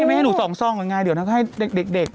ไม่ให้หนูสองซองกันไงเดี๋ยวเราก็ให้เด็กเด็กเด็ก